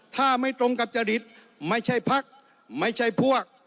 ถ้าไม่ตรงกับจริตไม่ใช่พักไม่ใช่พวก